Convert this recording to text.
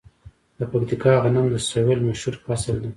د پکتیکا غنم د سویل مشهور فصل دی.